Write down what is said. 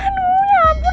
aduh ya ampun